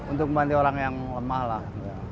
untuk membantu orang yang lemah lah